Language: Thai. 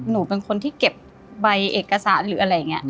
หนูเป็นคนที่เก็บใบเอกสารหรืออะไรอย่างนี้